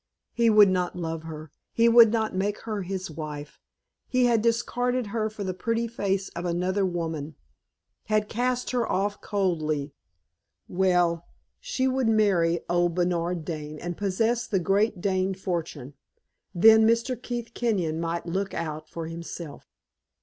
He would not love her; he would not make her his wife; he had discarded her for the pretty face of another woman; had cast her off coldly. Well, she would marry old Bernard Dane and possess the great Dane fortune. Then Mr. Keith Kenyon might look out for himself.